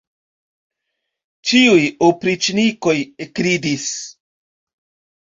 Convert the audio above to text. Ĉiuj opriĉnikoj ekridis.